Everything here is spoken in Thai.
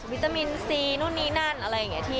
วิตามินซีนู่นนี่นั่นอะไรอย่างนี้